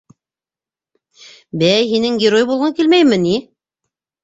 Бәй, һинең герой булғың килмәйме ни?